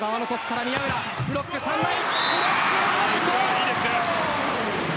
いいですね。